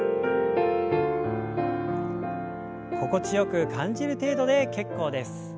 心地よく感じる程度で結構です。